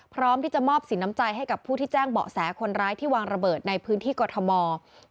พร้อมที่จะมอบสินน้ำใจให้กับผู้ที่แจ้งเบาะแสคนร้ายที่วางระเบิดในพื้นที่กรทม